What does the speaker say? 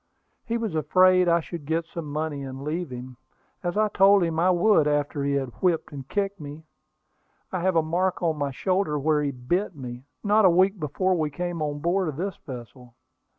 He was afraid I should get some money and leave him, as I told him I would after he had whipped and kicked me. I have a mark on my shoulder where he bit me, not a week before we came on board of this vessel."